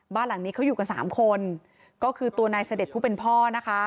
บ้านหลังนี้เขาอยู่กันสามคนก็คือตัวนายเสด็จผู้เป็นพ่อนะคะ